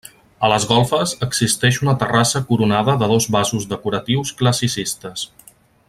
A les golfes existeix una terrassa coronada de dos vasos decoratius classicistes.